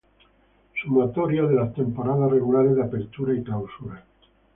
Sumatoria de las Temporadas Regulares de Apertura y Clausura